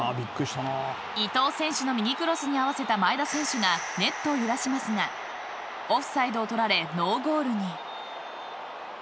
伊東選手の右クロスに合わせた前田選手がネットを揺らしますがオフサイドを取られノーゴールに。